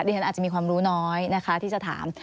ฉันอาจจะมีความรู้น้อยนะคะที่จะถาม